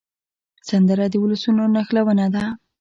سندره د ولسونو نښلونه ده